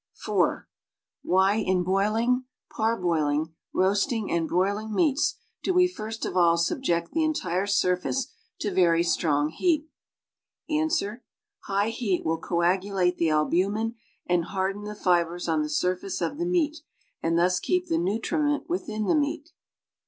(i) Why in boiling, parboiling, roasting and broiling meats do we first of all subject the entire surface to very strong heat? Ans. High heat will coagulate the albumin and harden the fibres on the surface of the meat and thus keep the nutriment with in the meat.